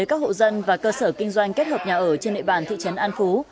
các hộ dân và cơ sở kinh doanh kết hợp nhà ở trên địa bàn thị trấn an phú